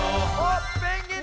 ペンギンだ！